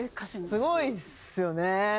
すごいですよね。